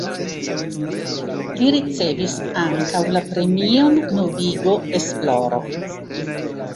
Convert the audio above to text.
Li ricevis ankaŭ la Premion Novigo Esploro.